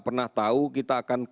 pernah tahu kita akan